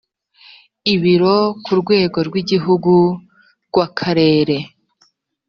ibiro ku rwego rw’igihugu rw’akarere